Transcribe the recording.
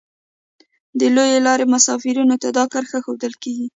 د لویې لارې مسافرینو ته دا کرښه ښودل کیږي